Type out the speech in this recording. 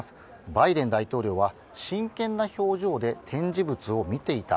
バイデン大統領は真剣な表情で展示物を見ていた。